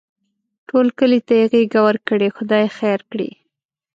ټول کلي ته یې غېږه ورکړې؛ خدای خیر کړي.